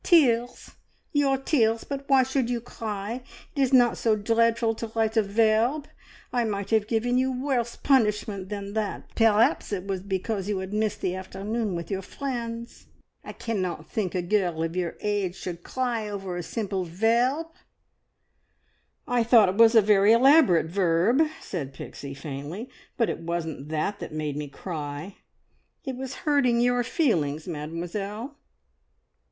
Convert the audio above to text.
"Tears! Your tears! But why should you cry? It is not so dreadful to write a verrrb. I might have given you worse punishment than that. Perhaps it was because you had missed the afternoon with your friends. I cannot think a girl of your age should cry over a simple verrrb." "I thought it was a very elaborate verb!" said Pixie faintly. "But it wasn't that that made me cry; it was hurting your feelings, Mademoiselle!"